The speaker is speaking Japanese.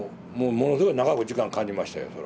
ものすごい長く時間感じましたよ